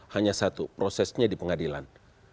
hanya satu prosesnya di pengadilan